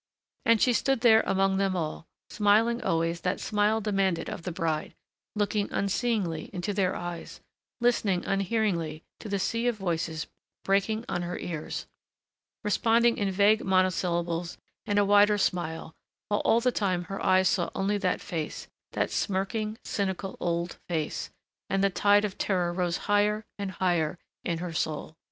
And she stood there among them all, smiling always that smile demanded of the bride, looking unseeingly into their eyes, listening unhearingly to the sea of voices breaking on her ears, responding in vague monosyllables and a wider smile, while all the time her eyes saw only that face, that smirking, cynical old face, and the tide of terror rose higher and higher in her soul.